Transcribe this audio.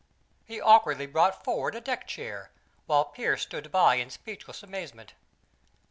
He awkwardly brought forward a deck chair, while Pearse stood by in speechless amazement.